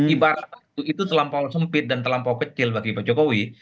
ibarat itu terlampau sempit dan terlampau kecil bagi pak jokowi